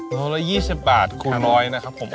โลละ๒๐บาทคูณน้อยนะครับผม